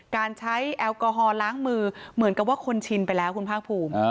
การใช้แอลกอฮอลล้างมือเหมือนกับว่าคนชินไปแล้วคุณภาคภูมิ